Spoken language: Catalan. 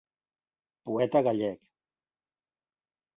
Poeta gallec.